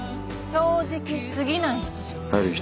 正直すぎない人。